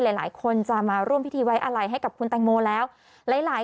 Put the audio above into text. หลายคนจะมาร่วมพิธีไว้อะไรให้กับคุณแตงโมแล้วหลายหลาย